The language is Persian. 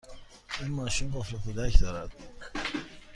این ماشین قفل کودک دارد؟